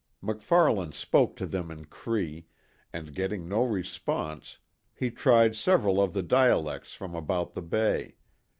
MacFarlane spoke to them in Cree, and getting no response, he tried several of the dialects from about the Bay.